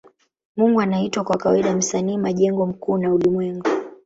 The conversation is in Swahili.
Mungu anaitwa kwa kawaida Msanii majengo mkuu wa ulimwengu.